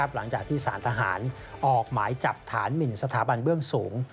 หลังจากที่สารทหารออกหมายจับฐานหมินสถาบันเบื้องสูง